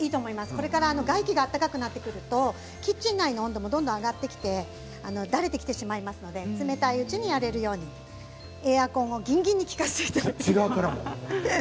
これから外気が暖かくなってくるとキッチンの温度も上がってだれてきてしまいますので冷たいうちにやれるようにエアコンをギンギンに利かせて。